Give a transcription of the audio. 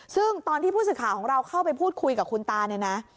ซึ่งตอนที่ผู้สื่อข่าวของเราเข้าไปพูดคุยกับคุณตาเนี่ยนะ